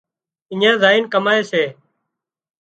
اڃي زائينَ ڪمائي سي